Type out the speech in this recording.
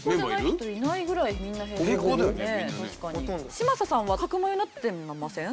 嶋佐さんは角眉になってません？